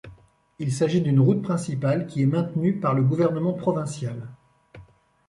Il s'agit d'une route principale qui est maintenue par le gouvernement provincial.